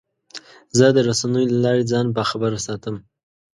زه د رسنیو له لارې ځان باخبره ساتم.